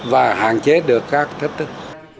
và hạn chế được các thách thức